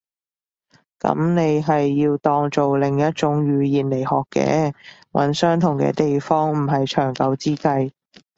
噉你係要當做另一種語言來學嘅。揾相同嘅地方唔係長久之計